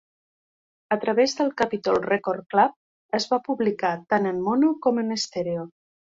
A través del Capitol Record Club es va publicar tant en mono com en estèreo.